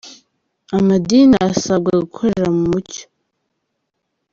Amadini arasabwa gukorera mu mucyo